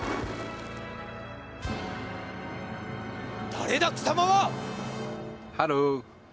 誰だ貴様は！？